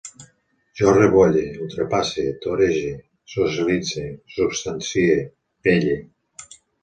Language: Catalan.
Jo rebolle, ultrapasse, torege, socialitze, substancie, pelle